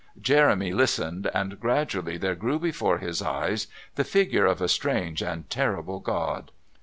Jeremy listened, and gradually there grew before his eyes the figure of a strange and terrible God.